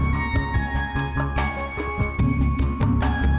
sama sambal dadak